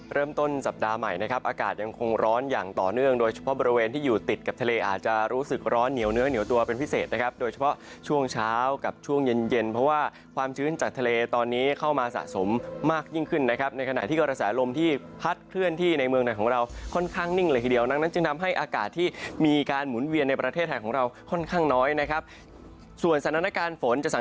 เริ่มต้นสัปดาห์ใหม่นะครับอากาศยังคงร้อนอย่างต่อเนื่องโดยเฉพาะบริเวณที่อยู่ติดกับทะเลอาจะรู้สึกร้อนเหนียวเนื้อเหนียวตัวเป็นพิเศษนะครับโดยเฉพาะช่วงเช้ากับช่วงเย็นเย็นเพราะว่าความชื้นจากทะเลตอนนี้เข้ามาสะสมมากยิ่งขึ้นนะครับในขณะที่กระแสลมที่พัดเคลื่อนที่ในเมืองไหนของเรา